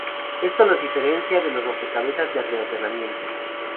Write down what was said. Esto los diferencia de los rompecabezas de reordenamiento.